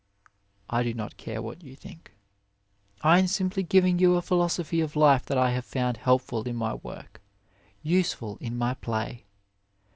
I do not care what you think, I am simply giving you a philo sophy of life that I have found helpful in my work, useful in my play.